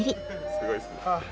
すごいですね。